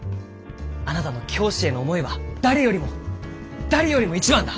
あなたの教師への思いは誰よりも誰よりも一番だ！